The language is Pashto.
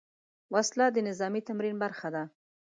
وسله د نظامي تمرین برخه ده